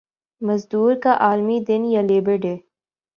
مزدور کا عالمی دن یا لیبر ڈے